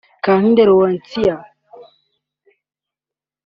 Kankindi Leoncie